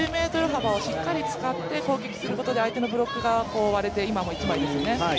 ９ｍ幅をしっかり使って攻撃することで相手のブロックが割れて今も一枚ですよね。